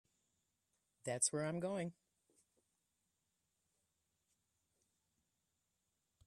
That's where I'm going.